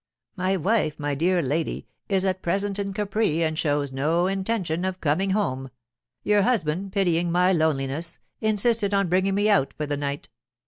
'My wife, my dear lady, is at present in Capri and shows no intention of coming home. Your husband, pitying my loneliness, insisted on bringing me out for the night.